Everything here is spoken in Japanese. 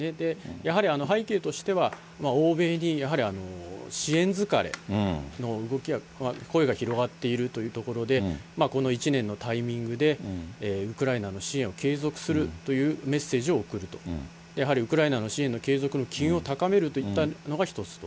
やはり背景としては、欧米にやはり支援疲れの動き、声が広がっているということで、この１年のタイミングで、ウクライナの支援を継続するというメッセージを送ると、やはりウクライナの支援の継続の機運を高めるといったのが１つと。